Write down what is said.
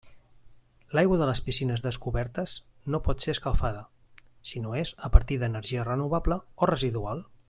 L'aigua de les piscines descobertes no pot ser escalfada si no és a partir d'energia renovable o residual.